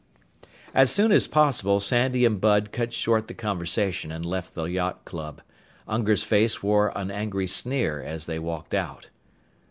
As soon as possible Sandy and Bud cut short the conversation and left the yacht club. Unger's face wore an angry sneer as they walked out.